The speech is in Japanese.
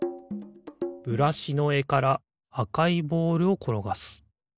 ブラシのえからあかいボールをころがす。